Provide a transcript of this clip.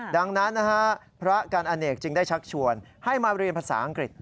ดังนั้นนะฮะพระการอเนกจึงได้ชักชวนให้มาเรียนภาษาอังกฤษ